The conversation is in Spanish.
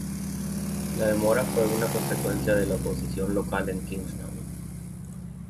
La demora fue una consecuencia de la oposición local en Kingstown.